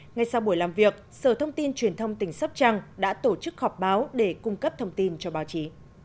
ngay sau buổi làm việc sở thông tin truyền thông tỉnh sắp trăng đã tổ chức họp báo để cung cấp thông tin cho báo chí